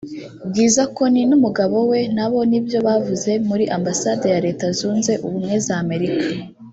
Bwiza Connie n’umugabo we nabo nibyo bavuze muri Ambasade ya Leta Zunze Ubumwe za Amerika